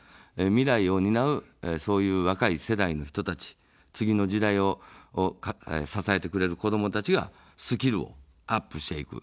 未来を担う、そういう若い世代の人たち、次の時代を支えてくれる子どもたちがスキルをアップしていく。